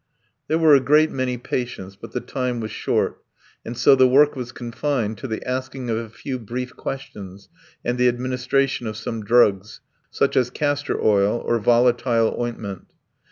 There were a great many patients, but the time was short, and so the work was confined to the asking of a few brief questions and the administration of some drugs, such as castor oil or volatile ointment.